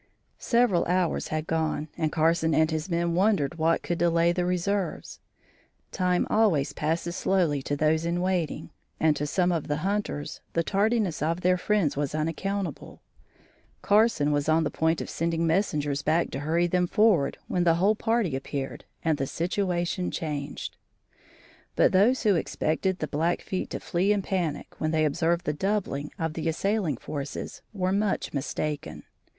Several hours had gone and Carson and his men wondered what could delay the reserves. Time always passes slowly to those in waiting, and to some of the hunters the tardiness of their friends was unaccountable. Carson was on the point of sending messengers back to hurry them forward, when the whole party appeared and the situation changed. But those who expected the Blackfeet to flee in panic when they observed the doubling of the assailing forces, were much mistaken.